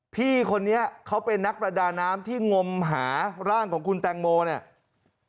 พี่คนนี้เขาเป็นนักประดาน้ำที่งมหาร่างของคุณแตงโมเนี่ย